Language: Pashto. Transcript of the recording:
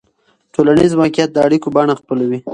ټولنیز واقعیت د اړیکو بڼه خپلوي.